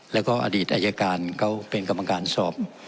แล้วก็อดีตอายการเขาเป็นกรรมการสอบ